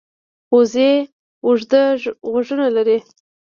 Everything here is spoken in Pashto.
وزې اوږده غوږونه لري